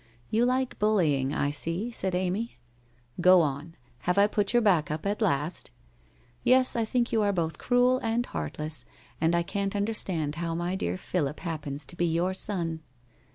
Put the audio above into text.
' You like bullying, I see,' said Amv. ' Go on. Have I put your back up at last ?'* Yes, I think you are both cruel and heartless, and I can't understand how my dear Philip happens to be your son.'